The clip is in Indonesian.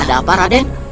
ada apa raden